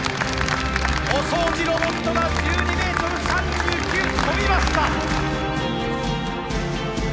お掃除ロボットが１２メートル３９跳びました。